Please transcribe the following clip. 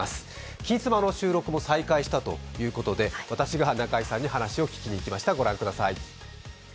「金スマ」の収録も再開したということで私が中居さんに話を聞きに行きました、ご覧ください。